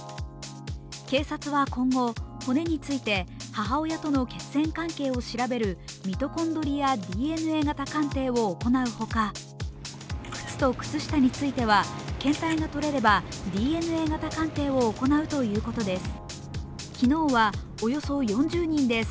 警察は今後、骨について母親との血縁関係を調べるミトコンドリアＤＮＡ鑑定を行うほか靴と靴下については検体が取れればＤＮＡ型鑑定を行うということです。